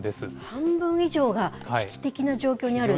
半分以上が危機的な状況にある？